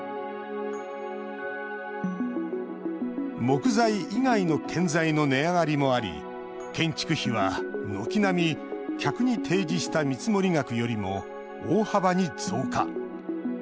木材以外の建材の値上がりもあり建築費は軒並み客に提示した見積もり額よりも大幅に増加。